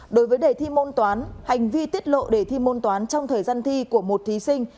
đối với đề thi môn toán hành vi tiết lộ đề thi môn toán trong thời gian thi của một thí sinh